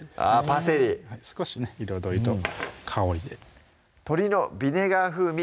パセリ少しね彩りと香りで「鶏のヴィネガー風味」